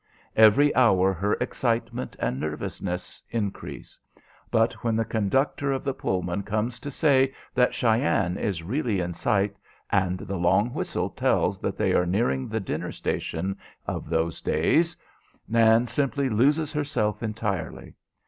Every hour her excitement and nervousness increase; but when the conductor of the Pullman comes to say that Cheyenne is really in sight, and the long whistle tells that they are nearing the dinner station of those days, Nan simply loses herself entirely.